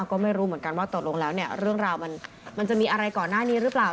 ก็ไม่รู้เหมือนกันว่าตกลงแล้วเนี่ยเรื่องราวมันจะมีอะไรก่อนหน้านี้หรือเปล่า